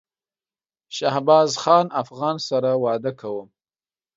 شهبازخان افغان سره واده کوم